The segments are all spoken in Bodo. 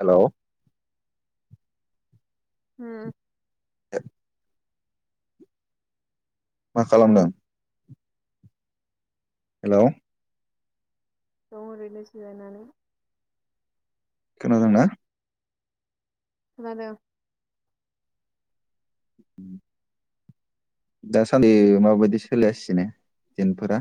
हेलौ। हम। [unintelligible] मा हेलौ खालामदों। हेलौ। दं ओरैनो जिरायनानै खोनादोंना? खोनादो। उम दासान्दि माबायदि सोलिगासिनो दिनफोरा?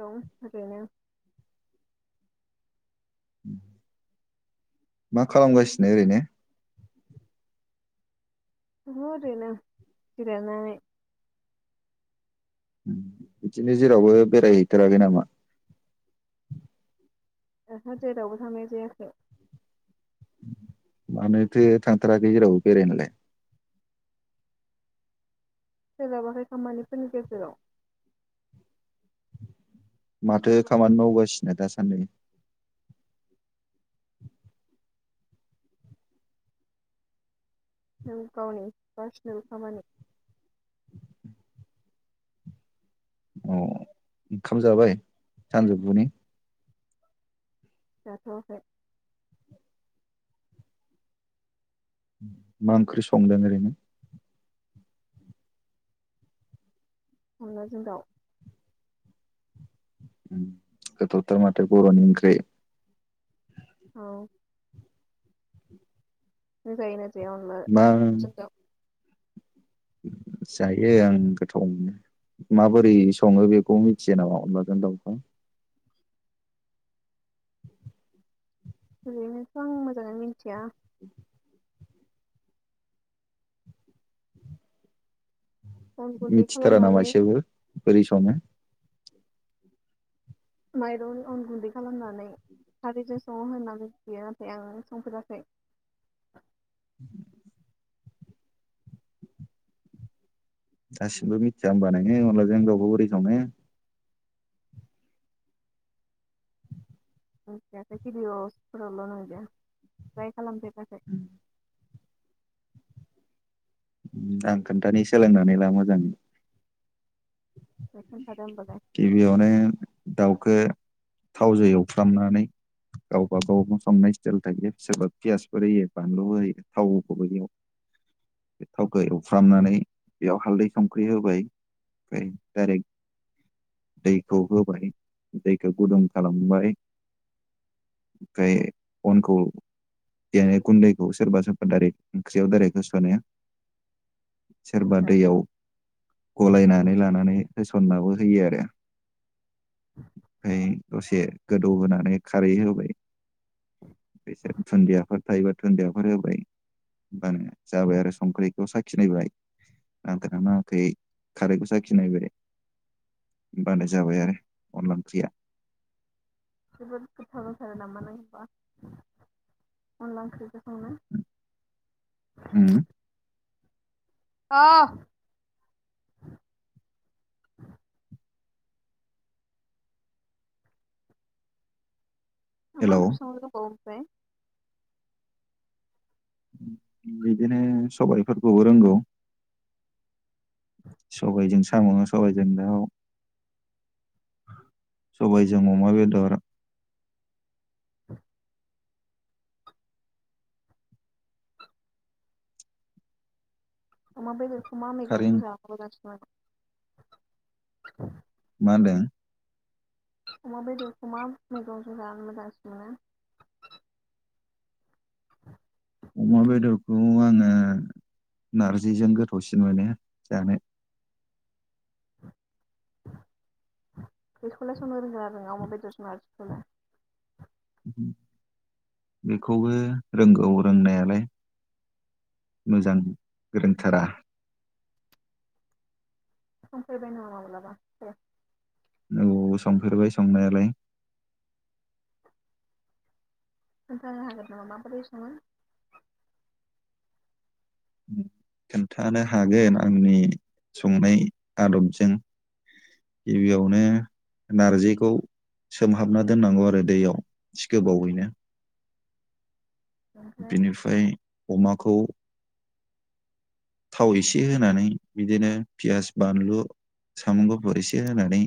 दं ओरैनो। उम मा खालामगासिनो ओरैनो? दङ ओरैनो जिरायनानै। बिदिनो जेरावबो बेरायहैथाराखै नामा? ओहो जेरावबो थांनाय जायाखै। मानोथो थांथाराखै जेरावबो बेरायनोलाय। सोलाबाखै खामानिफोरनि गेजेराव। माथो खामानि मावगासिनो दासान्दि? गावनि पार्सनेल खामानि औ ओंखाम जाबाय सानजौफुनि? जाथ'आखै मा ओंख्रि संदों ओरैनो? अनला जों दाउ। उम गोथावथार माथो बर'नि ओंख्रि औ। नों जायोना जाया अनला मा जों दाउ? जायो आं गोथाव मोनो माबोरै सङो बेखौ मिथियो नामा अनलाजों दाउखौ? ओरैनोथ' आं मोजाङै मिथिया [inaudible] अन गुन्दै मिथिथारा खालामनानै नामाएसेबो? बोरै सावनो माइरं अन गुन्दै खालामनानै खारैजों सङो होननानै बियो नाथाय आं संफेराखै। [inaudible] दासिमबो मिथिया होनबा नोङो अनब्ला जों रावखौ बोरै संओ? मिथियालै बिदिअस फोरावल नुयो ओमफ्राय खालाम फेराखै आं खोन्थानि सोलोंनानै सोलोंनानै ला मोजां। [inaudible] गिबियावनो दावखौ थावजों एवफ्रामनानै गावबागाव संनाय स्टाइल थायो सोरबा पियासफोर होयो बानलु होयो थावखौबो बेयाव बे थावखौ एवफ्रामनानै बेयाव हालदै संख्रि होबाय ओमफ्राय डाइरेक्ट दैखौ होबाय दैखौ गुदुं खालामबाय ओमफ्राय अनखौ देनो गुन्दैखौ सोरबा सोरबा दाइरेक्ट ओंख्रियाव दाइरेक्ट होस'नो सोरबा औ दैयाव गलायनानै लानानै फसननाबो होयो आरो ओमफ्राय दसे गोदौहोनानै खारै होबाय बिसोर दुन्दियाफोर थायोबा दुुनन्दियाफोर होबाय होनोमबानो जाबाय आरो संख्रिखौ साखिनायबाय नांगोना नाङाखैै खारैखौ साखिनायबाय होमबानो जाबाय आरो अनला ओंख्रिया। जोबोद गोथाव जाथारो नामा नों [unintelligible] उम औ मा हेलौ ओंख्रि संनो रोबावो [unintelligible] बिदिनो सबायफोरखौबो रोंगौ। सबायजों साम' सबायजों दाउ सबायजों अमा बेदर औ अमा बेदर मा खारै मैगंजों जानो मोजांसिन [inaudible] मा होनदों? अमा बेदरखौ मा मैगं जानो मोजांसिन मोनो? अमा बेदरखौ आङो नारजिजों गोथावसिन मोनो जानो बेखौलाइ सनो रोंगोना रोंआ अमा बेदर जों नारजिखौलाइ बेखौबो रोंगौ रोंनायालाय मोजां रोंथारा समफैबाय नामा माब्लाबा औ संफेरबाय संनायालाय खोनथानो हागोन नामा माबोरै सङो? खोनथानो हागोन आंनि संनाय आदबजों गिबियावनो नारजिखौ सोमहाबना दोननांगौ आरो दैयाव गोबावैनो ओमफ्राय बिनिफ्राय अमाखौ थाव इसे होनानै बिदिनो पियास बानलु साम' गुफुर एसे होनानै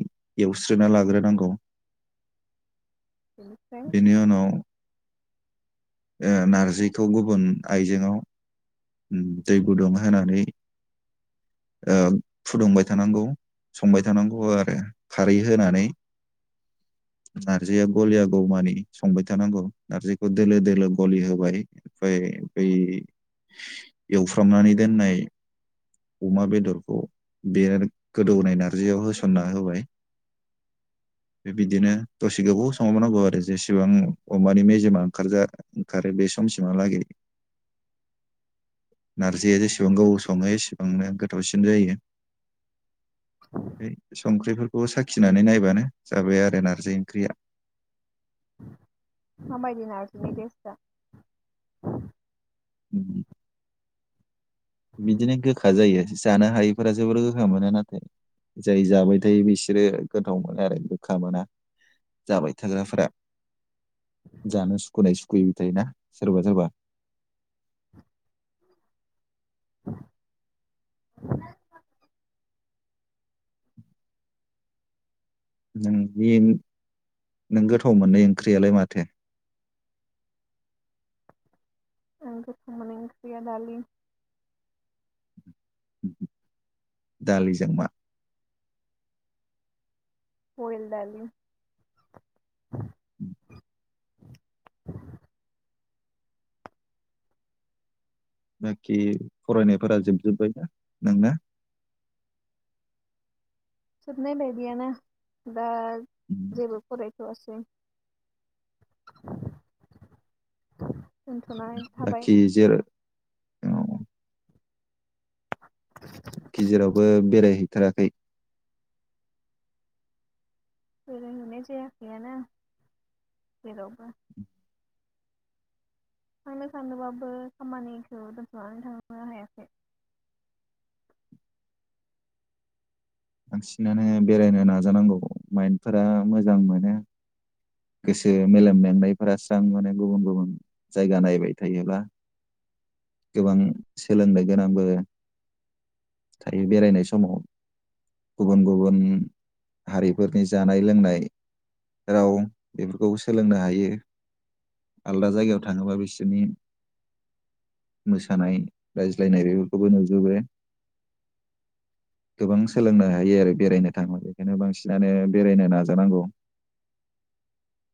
एवस्रोना लाग्रोनांगौ बेनिफ्राय बिनि उनाव नारजिखौ गुबुन आइजेंआव दै गुदुं होनानै फुदुंबाय थानांगौ संबाय थानांगौ आरो खारै होनानै नारजिया गलिया गौमानि संबाय थानांगौ नार्जिखौ दोलो दोलो गलि होबाय ओमफ्राय बै एवफ्रामनानै दोननाय अमा बेदरखौ बे गोदौनाय नारजियाव होसनना होबाय बे बिदिनो दसे गोबाव संहाब नांगौ आरो जेसेबां अमानि मेजेमा ओंखारा ओंखारो बे समसिमहालागै नारजिया जेसेबां गोबाव सङो एसेबां बांनो ग गोथावसिन जायो संख्रिफोर फोरखौ साखिनानै नायबानो जाबाय आरो नारजि ओंख्रिया माबायदि नारजिनि टेस्टा ब उ बिदिनो गोखा जायो जानो हायैफोरा जोबोर गोखा मोना नाथाय जाय जाबाय थायो बिसोरो गोथाव मोनो आरो गोखा मोना जाबाय थाग्राफोरा जानो सुखुनाय सुखुयैबो थायोना सोरबा सोरबा नों बे नों गोथाव मोननाय ओंख्रियालाय माथो आं गोथाव मोननाय ओंख्रिया दालि दालिजों मा बयेल दालि उ बाखि फरायनायफोरा जोबजोब्बायना नोंना जोबनाय बायदियानो दा जेबो फराय थ'आसै बाखि जे गेजेरावबो बेरायहैथाराखै। बेरायहैनाय जायाखैयानो जेरावबो। थांनो सानोबाबो खामानिखौ दोनथ'नानै थांनो हायाखै। बांसिनानो बेरायनो नाजानांगौ माइन्डफोरा मोजां मोनो। गोसो मेलेम मेंनायफोरा स्रां मोनो गुबुन गुबुन जायगा नायबाय थायोब्ला गोबां सोलोंनो गोनांबो थायो बेरायनाय समाव गुबुन गुबुन हारिफोरनि जानाय लोंनाय राव बेफोरखौबो सोलोंनो हायो आलदा जायगायाव थाङोबा बिसोरनि मोसानाय रायज्लायनाय बेफोरखौबो नुजोबो गोबां सोलोंनो हायो आरो बेरायनो थाङोबा बेखायनो बांसिनानो बेरायनो नाजानांगौ।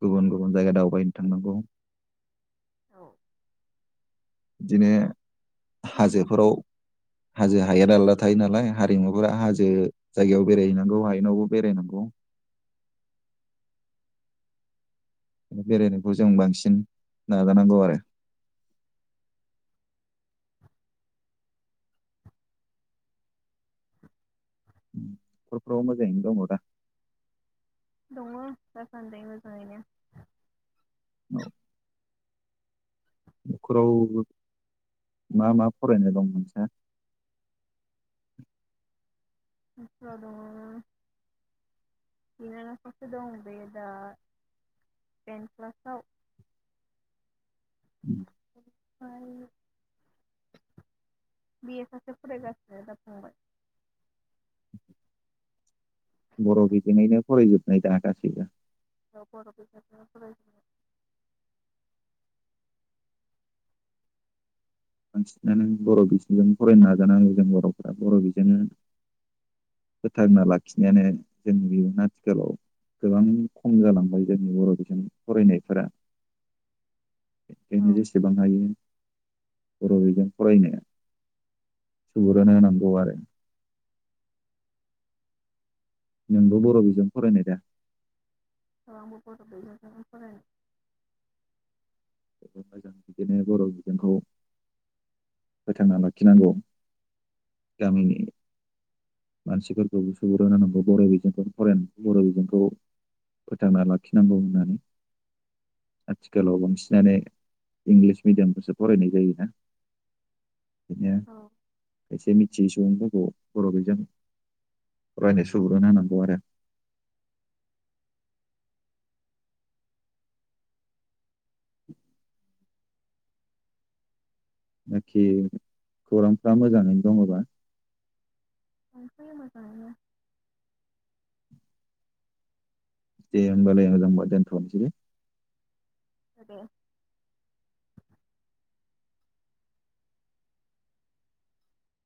गुबुन गुबुन जायगा दावबायनो थांनांगौ। औ। बिदिनो हाजोफोराव हाजो हायेन आलादा थायो नालाय हारिमुफोरा हाजो जायगायाव बेरायहैनांगौ हायेनावबो बेरायनांगौ। बेरायनायखौ जों बांसिन नाजानांगौ आरो। न'खरफ्राव मोजाङैनो दङ दा? दङ दासान्दै मोजाङैनो। औ न'खराव मा मा फरायनाय दं नोंसा? नख'राव दङ बिनानाव सासे दं बे दा टेनथ क्लासाव। ओमफाय बि एस सासे फरायगासिनो दा फंबाय। बर' बिजोंङैनो फरायजोबनाय दा गासैबो? औ बर'बिजोंजोनो फरायजोबनाय। बांसिनानो बर' बिजोंजों फरायनो नाजानांगौ जों बर'फ्रा बर' बिजोंनो फोथांना लाखिनायानो जों बेयावनो आथिखालाव गोबां खम जालांबाय जोंनि बर' बिजों फरायनायफोरा। बेखायनो औ जेसेबां हायो बर' बिजों फरायनो सुबुरुन होनांगौ आरो। नोंबो बर' बिजों फरायनाय दा? औ आंबो बर' बिजों जोंनो फरायनाय। जोबोद मोजां बिदिनो बर' बिजोंखौ फोथांना लाखिनांगौ गामिनि मानसिफोरखौबो सुबुर होनांगौ बर' बिजोंखौ फरायनांगौ बर' बिजोंखौ फोथांना लाखिनांगौ होननानै आथिखालाव बांसिनानो इंलिस मिडियामखौसो फरायनाय जायोना। बिदिनो औ खायसे जिसौफोरखौ बर' बिजों। फरायनाय सुबुरुन होनांगौ आरो। नाखि खौरांफ्रा मोजाङैनो दङबा। दंथयो मोजांङैनो। दे होनबालाय मोजां बा दोनथ'नोसैलै। आरो दे।